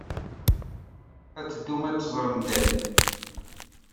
Ad teddum ad teẓrem Dan.